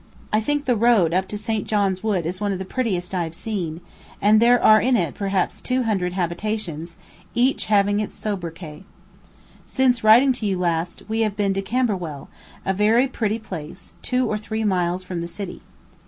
I think the road up to St. John's Wood is one of the prettiest I have seen; and there are in it perhaps two hundred habitations, each having its sobriquet. Since writing to you last we have been to Camberwell, a very pretty place, two or three miles from the city.